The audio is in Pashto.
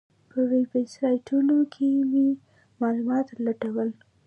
په ویبسایټونو کې مې معلومات لټول.